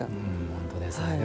本当ですね。